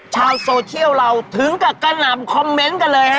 ชาวโซเชียลเราถึงกับกระหน่ำคอมเมนต์กันเลยฮะ